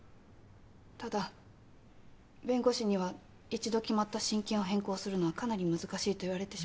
ただ弁護士には１度決まった親権を変更するのはかなり難しいと言われてしまって。